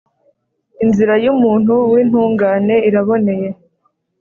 Inzira y’umuntu w’intungane iraboneye,